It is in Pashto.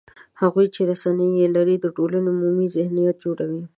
هغوی چې رسنۍ یې لري، د ټولنې عمومي ذهنیت جوړوي